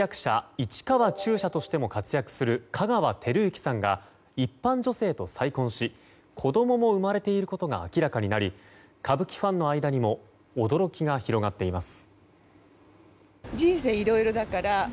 市川中車としても活躍する香川照之さんが一般女性と再婚し子供も生まれていることが明らかになり歌舞伎ファンの間にも驚きが広がっています。